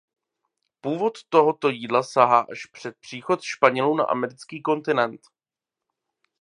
Původ tohoto jídla sahá až před příchod Španělů na americký kontinent.